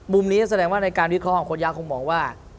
มุมนี้แสดงว่าในการวิเคราะหยากคงมองว่า